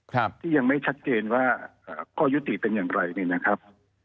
ครับที่ยังไม่ชัดเจนว่าอ่าข้อยุติเป็นอย่างไรเนี่ยนะครับ